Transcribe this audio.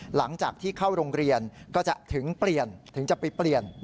หลังจากที่เข้าโรงเรียนก็จะถึงเปลี่ยนถึงจะไปเปลี่ยน